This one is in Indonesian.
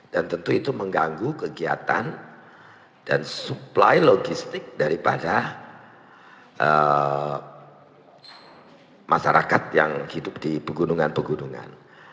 dan tentu itu mengganggu kegiatan dan supply logistik daripada masyarakat yang hidup di pegunungan pegunungan